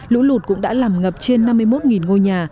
lũ lụt cũng đã làm ngập trên năm mươi một ngôi nhà